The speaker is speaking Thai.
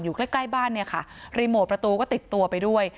ใกล้ใกล้บ้านเนี่ยค่ะรีโมทประตูก็ติดตัวไปด้วย